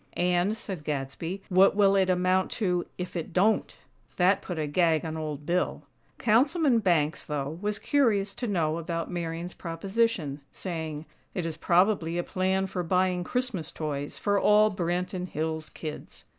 "And," said Gadsby, "what will it amount to, if it don't?" That put a gag on Old Bill. Councilman Banks, though, was curious to know about Marian's proposition, saying: "It is probably a plan for buying Christmas toys for all Branton Hills kids."